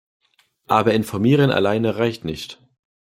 Aber informieren allein reicht nicht.